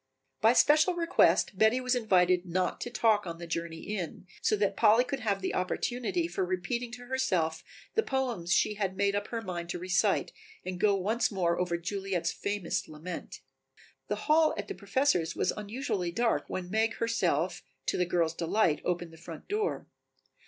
By special request Betty was invited not to talk on the journey in, so that Polly could have the opportunity for repeating to herself the poems she had made up her mind to recite and go once more over Juliet's famous lament. The hall at the Professor's was unusually dark when Meg herself, to the girls' delight, opened the front door.